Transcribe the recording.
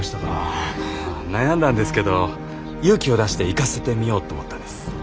悩んだんですけど勇気を出して行かせてみようと思ったんです。